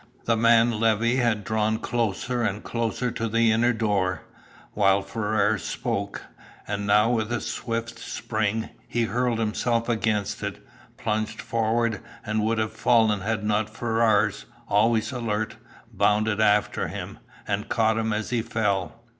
The man Levey had drawn closer and closer to the inner door, while Ferrars spoke, and now with a swift spring he hurled himself against it, plunged forward and would have fallen had not Ferrars, always alert, bounded after him, and caught him as he fell.